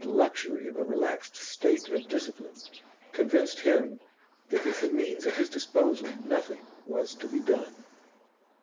luxury of a relaxed state of discipline, convinced him that with the means at his disposal nothing was to be done.